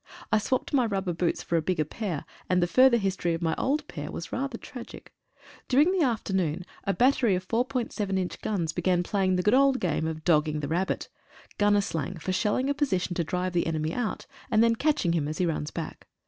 I swopped my rubber boots for a bigger pair, and the further history of my old pair was rather tragic. During the afternoon a battery of 4.7 inch guns began playing the good old game of "dogging the rabbit" — gunnc slang for shelling a position to drive the enemy out, and then catching him as he runs back.